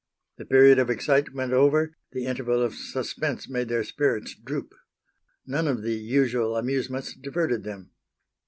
The period of excitement over, the interval of suspense made their spirits droop. None of the usual amusements diverted them.